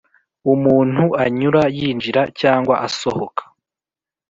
umuntu anyura yinjira cyangwa asohoka